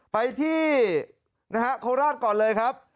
ไปที่โคราชก่อนเลยครับ